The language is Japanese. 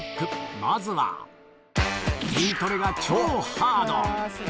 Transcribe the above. まずは、筋トレが超ハード。